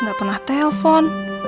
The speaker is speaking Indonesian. gak pernah telpon